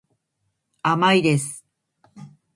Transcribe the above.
甘いです。